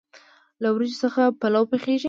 له وریجو څخه پلو پخیږي.